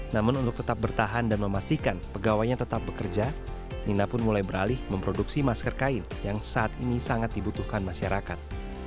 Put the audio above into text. namun untuk tetap bertahan dan memastikan pegawainya tetap bekerja nina pun mulai beralih memproduksi masker kain yang saat ini sangat dibutuhkan masyarakat